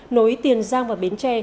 nối tiền giang và bến tre